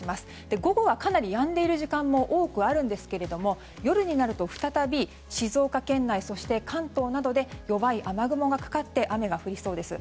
午後は、かなりやんでいる時間も多くあるんですが夜になると、再び静岡県内、関東などで弱い雨雲がかかって雨が降りそうです。